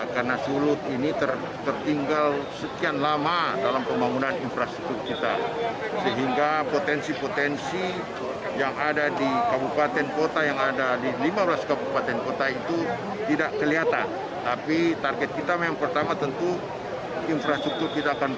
kedua sektor ini menjadi pendong kerasa